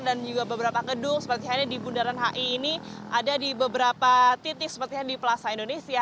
dan juga beberapa gedung seperti halnya di bunderan hi ini ada di beberapa titik seperti halnya di pelasa indonesia